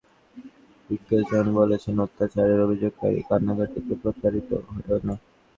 এ জন্যে কোন কোন প্রাচীন বিজ্ঞজন বলেছেন, অত্যাচারের অভিযোগকারীর কান্নাকাটিতে প্রতারিত হয়ো না।